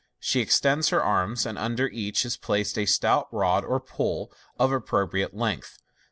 She extends her arms, and under each is placed a stout rod or pole of appropriate length.